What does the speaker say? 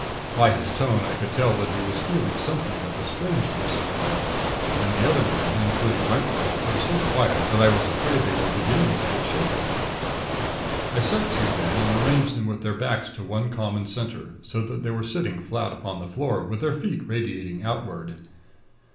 By his tone, I could tell that he was feeling something of the strangeness of it all; and the other men, including Wentworth, were so quiet that I was afraid they were beginning to get shaky. "I set to, then, and arranged them with their backs to one common center; so that they were sitting flat upon the floor, with their feet radiating outward.